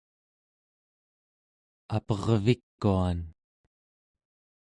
apervikuan